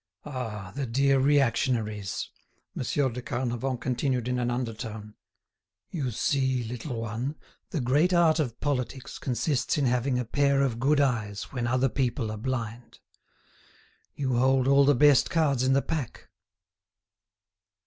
"Ah! the dear reactionaries!" Monsieur de Carnavant continued in an undertone. "You see, little one, the great art of politics consists in having a pair of good eyes when other people are blind. You hold all the best cards in the pack."